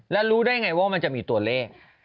แล้วรู้ได้ไงว่ามันจะมีตัวเลข